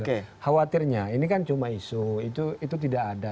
khawatirnya ini kan cuma isu itu tidak ada